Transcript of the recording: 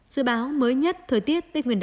sự báo mới nhất thời tiết tây nguyên